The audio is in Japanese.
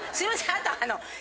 あと。